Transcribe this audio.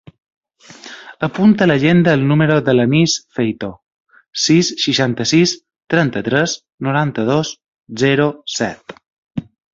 Apunta a l'agenda el número de l'Anis Feito: sis, seixanta-sis, trenta-tres, noranta-dos, zero, set.